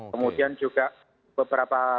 kemudian juga beberapa